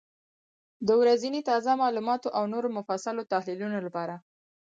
د ورځني تازه معلوماتو او نورو مفصلو تحلیلونو لپاره،